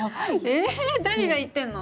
え誰が言ってんの？